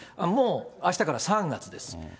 もう、あしたから３月です。